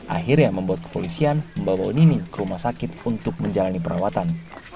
akhirnya membuat kepolisian membawa nining ke rumah sakit untuk menjalani perawatan